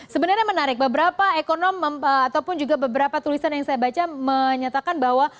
sebenarnya menarik beberapa ekonom ataupun juga beberapa tulisan yang saya baca menyatakan bahwa